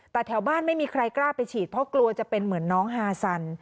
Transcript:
แต่แถวบ้านไม่มีใครกล้าไปฉีดเพราะกลัวจะเป็นเหมือนน้องฮาซัน